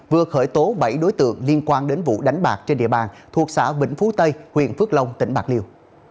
vừa khởi tố bảy đối tượng liên quan đến vụ đánh bạc trên địa bàn thuộc xã vĩnh phú tây huyện phước long tỉnh bạc liêu